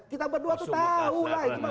kita berdua tahu lah